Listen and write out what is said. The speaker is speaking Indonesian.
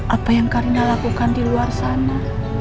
apa yang karina lakukan di luar sana